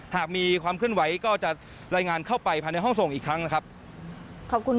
หากมีความขึ้นไหวก็จะลัยงานเข้าไปภาในห้องส่งอีกครั้งนะครับ